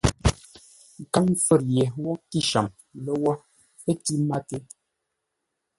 Kâŋ fə̌r ye wə́ kíshəm lə́wó, ə́ tʉ́ máté.